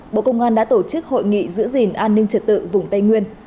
bộ công an đã tổ chức hội nghị giữ gìn an ninh trật tự vùng tây nguyên